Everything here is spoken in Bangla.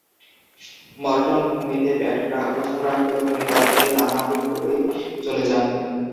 মর্টন ভূমিতে ব্যাট প্রথমে রাখলেও তিনি তা থেকে রান-আউটের পূর্বেই চলে যান।